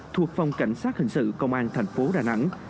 thuộc phòng cảnh sát hình sự công an thành phố đà nẵng